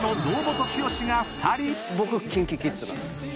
僕ＫｉｎＫｉＫｉｄｓなんですけど。